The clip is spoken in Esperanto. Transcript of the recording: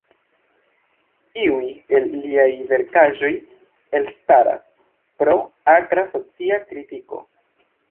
Iuj el liaj verkaĵoj elstaras pro akra socia kritiko.